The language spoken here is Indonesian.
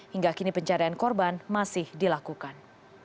hingga kini pencarian korban masih dilakukan